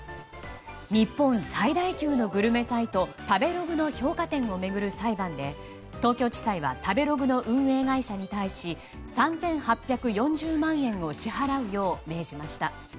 日本最大級のグルメサイト食べログの評価点を巡る裁判で東京地裁は食べログの運営会社に対し３８４０万円を支払うよう命じました。